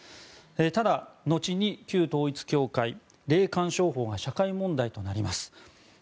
ただ、後に旧統一教会霊感商法が社会問題となります。